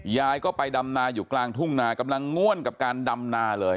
ยายก็ไปดำนาอยู่กลางทุ่งนากำลังง่วนกับการดำนาเลย